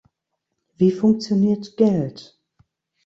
Wie funktioniert Geld?